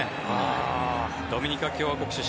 ドミニカ共和国出身。